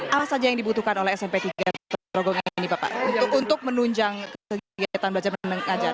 apa saja yang dibutuhkan oleh smp tiga untuk menunjang kegiatan belajar dan mengajar